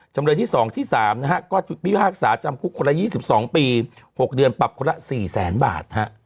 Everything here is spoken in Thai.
จำเลยที่๒ที่๓นะฮะก็พิพิภาคศาสตร์จำคุกคนละ๒๒ปี๖เดือนปรับคนละ๔๐๐๐๐๐บาท